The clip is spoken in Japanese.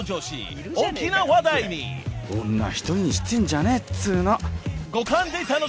「女一人にしてんじゃねえっつうの」